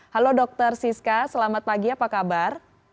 halo dr siska selamat pagi apa kabar